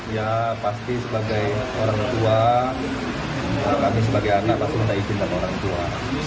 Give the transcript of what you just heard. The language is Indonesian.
ya pasti sebagai orang tua kami sebagai anak masih mendaftarkan orang tua